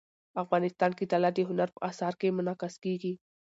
افغانستان کې طلا د هنر په اثار کې منعکس کېږي.